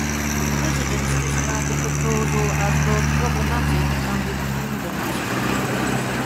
Residents describe the proposal as both problematic and imprudent.